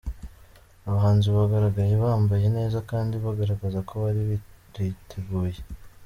Abahanzi bagaragaye bambaye neza kandi bagaragaza ko bari bariteguye.